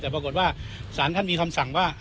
แต่ปรากฏว่าศาลท่านมีคำสั่งว่า